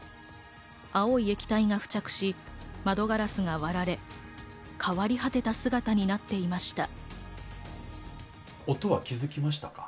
青い液体が付着し、窓ガラスが割られ、変わり果てた姿になっていました。